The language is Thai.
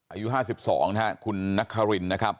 อายุห้าสิบสองนะครับคุณนักคารินนะครับ